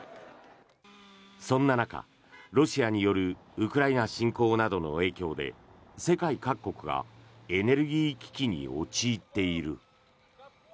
そんな中、ロシアによるウクライナ侵攻などの影響で世界各国がエネルギー危機に陥っている。